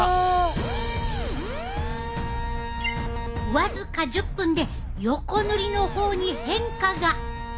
僅か１０分でヨコ塗りの方に変化が！